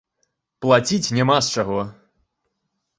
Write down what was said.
Плаціць няма з чаго.